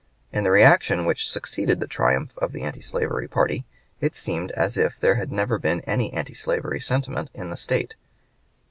In the reaction which succeeded the triumph of the antislavery party, it seemed as if there had never been any antislavery sentiment in the State.